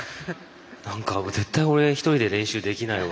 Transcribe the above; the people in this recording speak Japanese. なんか絶対俺、１人で練習できないわ。